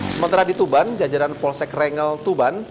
sementara di tuban jajaran polsek rengel tuban